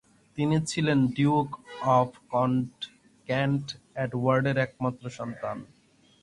তিনি ছিলেন Duke of Kent এডওয়ার্ডের একমাত্র সন্তান।